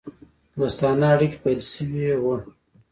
دوستانه اړېکي پیل سوي وه.